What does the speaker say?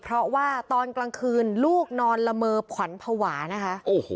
เพราะว่าตอนกลางคืนลูกนอนละเมอขวัญภาวะนะคะ